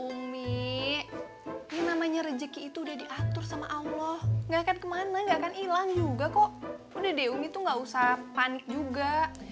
umi ini namanya rezeki itu udah diatur sama allah gak akan kemana gak akan hilang juga kok udah dewi umi tuh gak usah panik juga